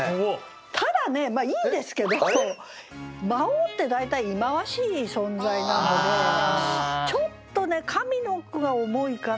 ただねまあいいんですけど魔王って大体忌まわしい存在なのでちょっとね上の句が重いかな。